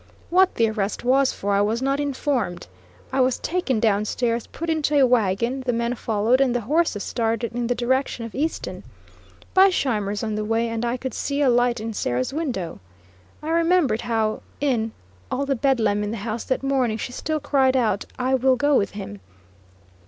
What the arrest was for I was not informed. I was taken down stairs, put into a wagon, the men followed, and the horses started in the direction of Easton. By Scheimer's on the way, and I could see a light in Sarah's window. I remembered how in, all the Bedlam in the house that morning she still cried out: "I will go with him."